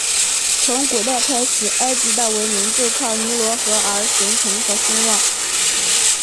从古代开始埃及的文明就依靠尼罗河而形成和兴旺。